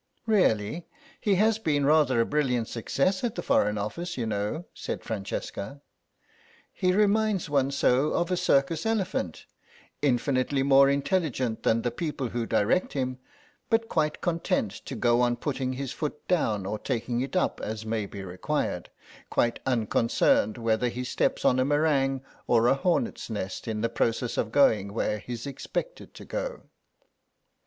"Really? He has been rather a brilliant success at the Foreign Office, you know," said Francesca. "He reminds one so of a circus elephant—infinitely more intelligent than the people who direct him, but quite content to go on putting his foot down or taking it up as may be required, quite unconcerned whether he steps on a meringue or a hornet's nest in the process of going where he's expected to go."